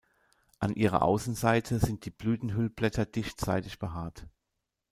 An ihrer Außenseite sind die Blütenhüllblätter dicht seidig behaart.